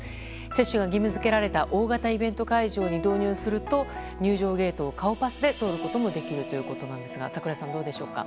接種が義務付けられた大型イベント会場に導入すると入場ゲートを顔パスで通ることもできるということなんですが櫻井さん、どうでしょうか？